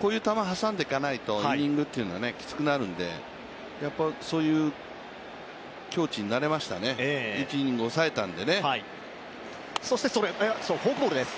こういう球挟んでいかないとイニングというのはきつくなるんでそういう境地になれましたね、１イニング抑えたんでね。